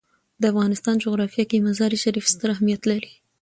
د افغانستان جغرافیه کې مزارشریف ستر اهمیت لري.